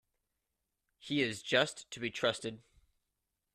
He is just to be trusted.